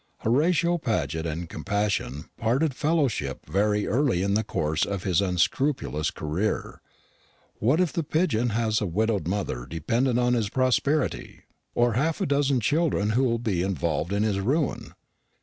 Horatio Paget and compassion parted fellowship very early in the course of his unscrupulous career. What if the pigeon has a widowed mother dependent on his prosperity, or half a dozen children who will be involved in his ruin?